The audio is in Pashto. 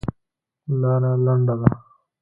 لاره لنډه ده.